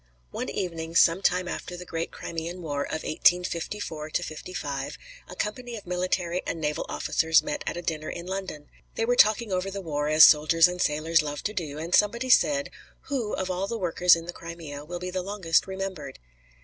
One evening, some time after the great Crimean War of 1854 55, a company of military and naval officers met at dinner in London. They were talking over the war, as soldiers and sailors love to do, and somebody said: "Who, of all the workers in the Crimea, will be longest remembered?"